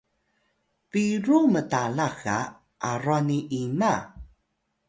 biru mtalah ga arwa ni ima?